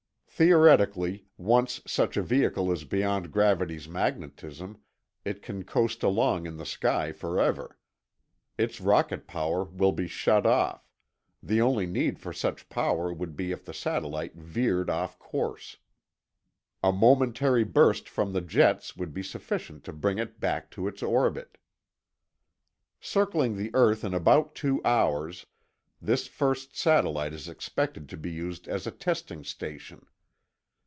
Theoretically, once such a vehicle is beyond gravity's magnetism, it can coast along in the sky forever. Its rocket power will be shut off; the only need for such power would be if the satellite veered off course. A momentary burst from the jets would be sufficient to bring it back to its orbit. Circling the earth in about two hours, this first satellite is expected to be used as a testing station.